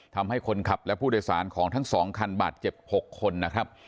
ทำให้คนขับและผู้โดยสารของทั้ง๒คันบาดเจ็บ๖คนนะครับ